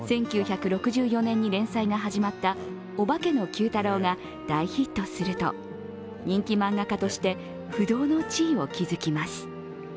１９６４年に連載が始まった「オバケのＱ太郎」が大ヒットすると、人気漫画家として不動の地位を築きます。